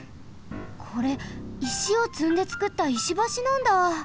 これ石をつんでつくった石橋なんだ！